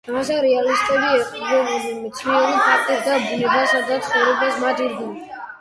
ამასთან რეალისტები ეყრდნობოდნენ მეცნიერულ ფაქტებს და ბუნებასა და ცხოვრებას მათ ირგვლივ.